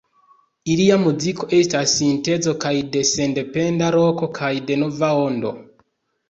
Ilia muziko estas sintezo kaj de sendependa roko kaj de Nova ondo.